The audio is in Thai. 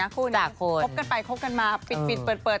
ครบกันไปครบกันมาปิดเปิด